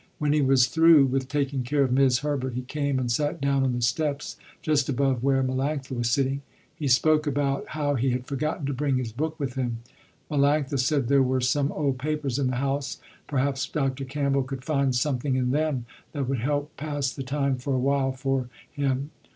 When he was through with taking care of 'Mis' Herbert, he came and sat down on the steps just above where Melanctha was sitting. He spoke about how he had forgotten to bring his book with him. Melanctha said there were some old papers in the house, perhaps Dr. Campbell could find something in them that would help pass the time for a while for him.